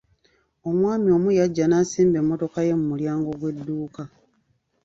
Omwami omu yajja n'asimba mmotoka ye mu mulyango gw'edduuka.